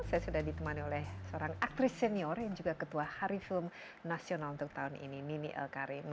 saya sudah ditemani oleh seorang aktris senior yang juga ketua hari film nasional untuk tahun ini nini elkarim